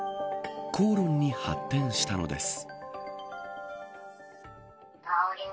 口論に発展したのです。